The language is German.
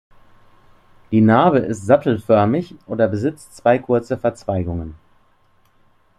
Die Narbe ist sattelförmig oder besitzt zwei kurze Verzweigungen.